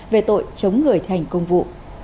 về tội chống người thành công vụ